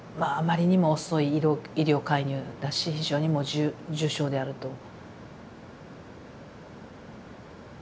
あまりにも遅い医療介入だし非常に重症であると。